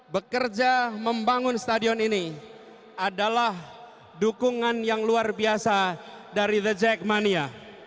bekerja membangun stadion ini adalah dukungan yang luar biasa dari the jackmania